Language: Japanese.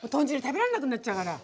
食べられなくなっちゃうから。